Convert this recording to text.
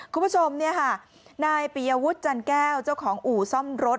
คุณผู้ชมนายปียวุฒิจันแก้วเจ้าของอู่ซ่อมรถ